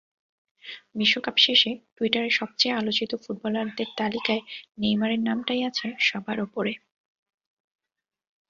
বিশ্বকাপ শেষে টুইটারে সবচেয়ে আলোচিত ফুটবলারদের তালিকায় নেইমারের নামটাই আছে সবার ওপরে।